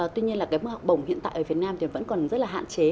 tuy nhiên là cái mức học bổng hiện tại ở việt nam thì vẫn còn rất là hạn chế